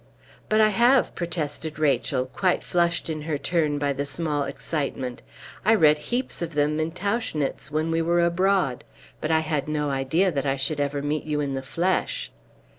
"But I have," protested Rachel, quite flushed in her turn by the small excitement. "I read heaps of them in Tauchnitz when we were abroad. But I had no idea that I should ever meet you in the flesh!"